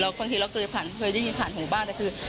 แล้วค่อนข้างเราเคยได้ยินผ่านหูบ้างแต่คือ